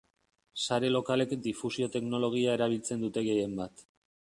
Sare lokalek difusio teknologia erabiltzen dute gehien bat.